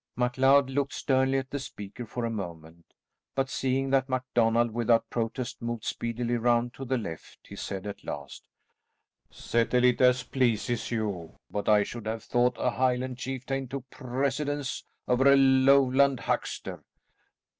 MacLeod looked sternly at the speaker for a moment, but seeing that MacDonald, without protest moved speedily round to the left, he said at last, "Settle it as pleases you, but I should have thought a Highland chieftain took precedence of a Lowland huckster."